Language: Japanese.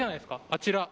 あちら。